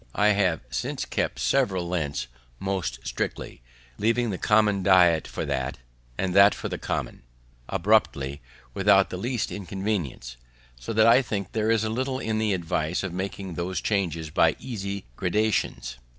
I have since kept several Lents most strictly, leaving the common diet for that, and that for the common, abruptly, without the least inconvenience, so that I think there is little in the advice of making those changes by easy gradations.